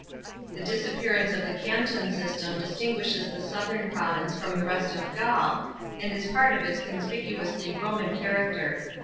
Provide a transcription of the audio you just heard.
The disappearance of the canton system distinguishes the southern province from the rest of Gaul, and is pnrt of its conspicuously Roman character.